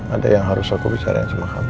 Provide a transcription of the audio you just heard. ada yang harus aku bisarkan sama kamu ya